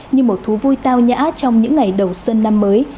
như một thú vui tao nhã trong những ngày đầu xuân năm mới